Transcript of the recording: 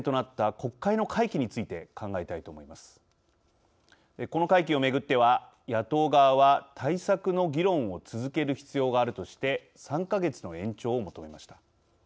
この会期をめぐっては野党側は対策の議論を続ける必要があるとして３か月の延長を求めました。